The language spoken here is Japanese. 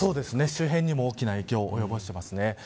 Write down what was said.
周辺にも大きな影響を及ぼしています。